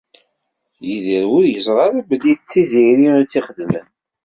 Yidir ur yeẓri ara belli d Tiziri i tt-ixedmen.